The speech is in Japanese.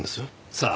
さあ。